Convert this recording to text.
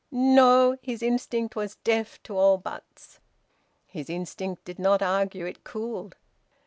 No! His instinct was deaf to all `buts.' His instinct did not argue; it cooled.